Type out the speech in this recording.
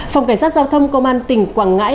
phòng cảnh sát giao thông công an tỉnh quảng ngãi